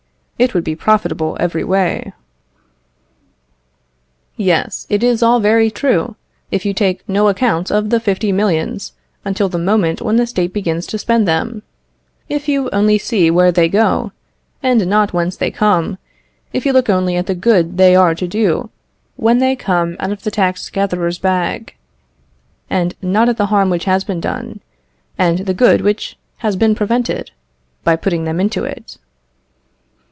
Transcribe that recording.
It would be profitable every way." Yes, it is all very true, if you take no account of the fifty millions until the moment when the State begins to spend them; if you only see where they go, and not whence they come; if you look only at the good they are to do when they come out of the tax gatherer's bag, and not at the harm which has been done, and the good which has been prevented, by putting them into it.